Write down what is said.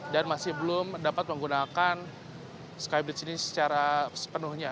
dan masih belum dapat menggunakan sky bridge ini secara sepenuhnya